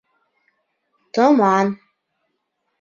Томан